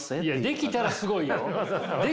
できたらすごいよ。